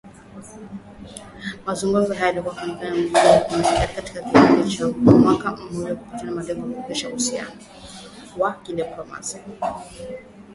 Mazungumzo hayo yamekuwa yakiendelea mjini Baghdad katika kipindi cha mwaka mmoja uliopita kwa lengo la kurejesha uhusiano wa kidiplomasia